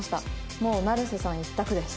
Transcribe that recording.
「もう成瀬さん一択です」。